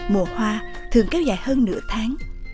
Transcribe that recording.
mùa hoa thường kéo dài hơn nửa tháng